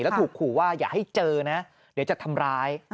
แล้วถูกขู่ว่าอย่าให้เจอนะเดี๋ยวจะทำร้าย